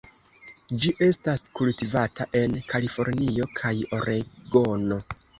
Ĝi estas kultivata en Kalifornio kaj Oregono.